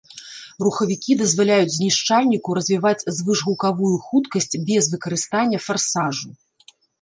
Рухавікі дазваляюць знішчальніку развіваць звышгукавую хуткасць без выкарыстання фарсажу.